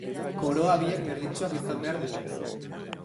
Koroa biek berdintsuak izan behar dute.